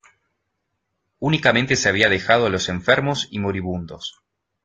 Únicamente se había dejado a los enfermos y moribundos.